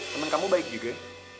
temen kamu baik juga ya